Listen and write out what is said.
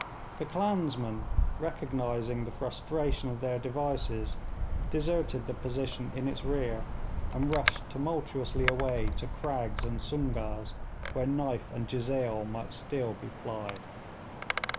The clansmen, recognising the frustration of their devices, deserted the position in its rear, and rushed tumultuously away to crags and sungahs where knife and jezail might still be plied.